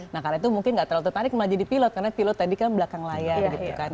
nah karena itu mungkin gak terlalu tertarik malah jadi pilot karena pilot tadi kan belakang layar gitu kan